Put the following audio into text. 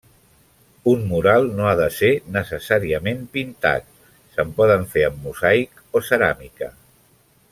Un mural no ha de ser necessàriament pintat, se'n poden fer amb mosaic o ceràmica.